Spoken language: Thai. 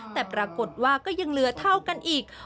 แต่ปรากฏว่าก็ยังเหลือเท่ากันอีก